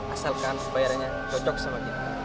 asalkan bayarannya cocok sama kita